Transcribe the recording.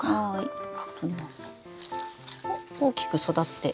おっ大きく育って。